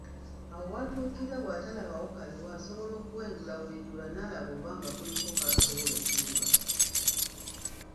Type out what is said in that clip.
Awo w’atuukira bw’atalabawo kaliwo asobola okuwenjulawenjula n’alaba oba nga kuliko k’asobola okunoga.